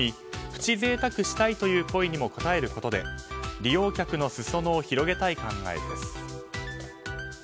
プチ贅沢したいという声にも応えることで利用客のすそ野を広げたい考えです。